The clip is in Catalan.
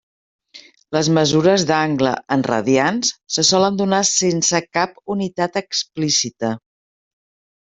Les mesures d'angle en radians se solen donar sense cap unitat explícita.